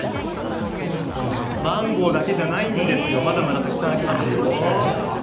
マンゴーだけじゃないですよ、まだまだたくさんあります。